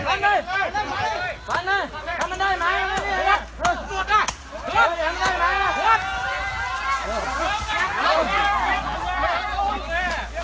กลับมาเมื่อเวลาเมื่อเวลา